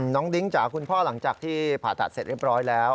ดิ้งจ๋าคุณพ่อหลังจากที่ผ่าตัดเสร็จเรียบร้อยแล้ว